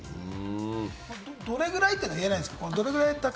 どれぐらいっていうのは言えないんですか？